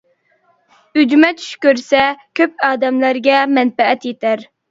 ئۈجمە چۈش كۆرسە، كۆپ ئادەملەرگە مەنپەئەت يېتەر.